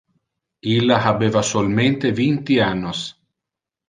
Illa habeva solmente vinti annos.